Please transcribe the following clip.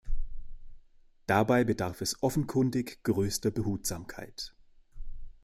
Dabei bedarf es offenkundig größter Behutsamkeit.